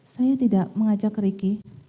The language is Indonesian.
saya tidak mengajak riki